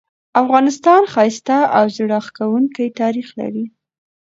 افغانستان ښایسته او زړه راښکونکې تاریخ لري